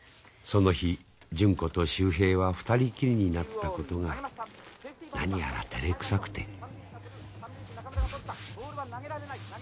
その日純子と秀平は二人きりになったことが何やらてれくさくて。